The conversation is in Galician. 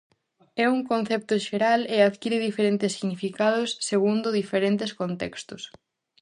É un concepto xeral e adquire diferentes significados segundo diferentes contextos.